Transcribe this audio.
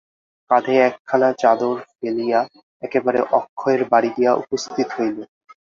কাঁধে একখানা চাদর ফেলিয়া একেবারে অক্ষয়ের বাড়ি গিয়া উপস্থিত হইল।